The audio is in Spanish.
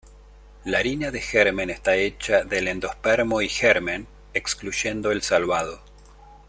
La harina de germen está hecha del endospermo y germen, excluyendo el salvado.